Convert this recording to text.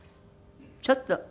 ちょっと。